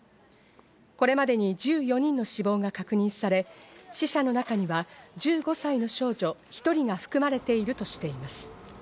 これまでに１４人の死亡が確認され、死者の中には１５歳の少女１人が含まれているとしています。